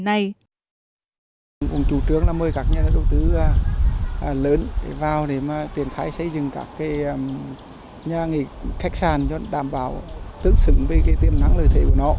xuân thành cũng chủ trướng mời các nhà đầu tư lớn vào để triển khai xây dựng các nhà nghỉ khách sạn cho đảm bảo tương xứng với tiềm năng lợi thế của nó